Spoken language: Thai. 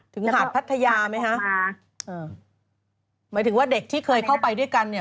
ถึงหาดพัทยาไหมฮะหมายถึงว่าเด็กที่เคยเข้าไปด้วยกัน